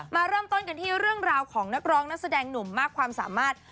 มาเริ่มต้นกันที่เรื่องราวของนักร้องนักแสดงหนุ่มมากความสามารถ